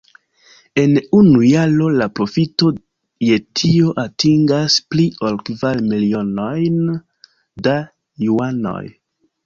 En unu jaro la profito je tio atingas pli ol kvar milionojn da juanoj.